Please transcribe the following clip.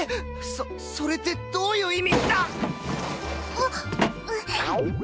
そそれってどういう意味あっ！